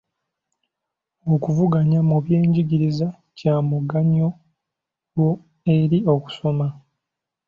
Okuvuganya mu byenjigiriza kya muganyulo eri okusoma.